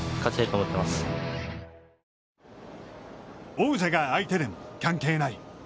王者が相手でも関係ない。